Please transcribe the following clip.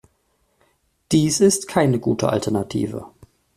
Dies ist keine gute Alternative.